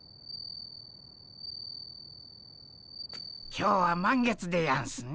今日は満月でやんすね。